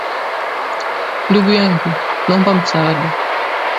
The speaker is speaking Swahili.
Ndugu yangu, naomba msaada.